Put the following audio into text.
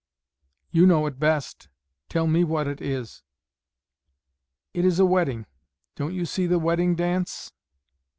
"You know it best; tell me what it is." "It is a wedding. Don't you see the wedding dance?"